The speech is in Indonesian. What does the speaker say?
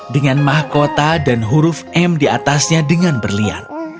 dengan mahkota dan huruf m diatasnya dengan berlian